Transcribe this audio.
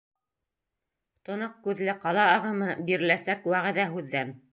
Тоноҡ күҙле ҡала ағымы Биреләсәк вәғәҙә һүҙҙән.